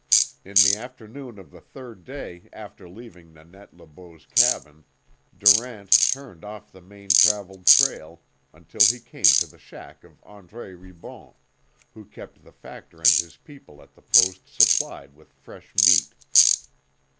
In the afternoon of the third day after leaving Nanette Le Beau's cabin Durant turned off the main travelled trail until he came to the shack of Andre Ribon, who kept the Factor and his people at the Post supplied with fresh meat.